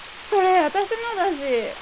それ私のだし。